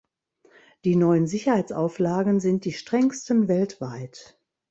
Die neuen Sicherheitsauflagen sind die strengsten weltweit.